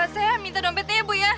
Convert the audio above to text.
saya minta dompetnya ya bu ya